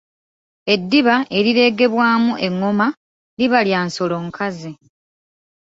Eddiba erireegebwamu engoma liba lya nsolo nkazi.